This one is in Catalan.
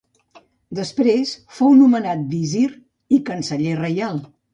Després fou nomenat visir i canceller reial.